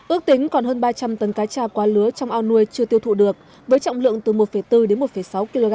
ước tính còn hơn ba trăm linh tấn cá cha quá lứa trong ao nuôi chưa tiêu thụ được với trọng lượng từ một bốn đến một sáu kg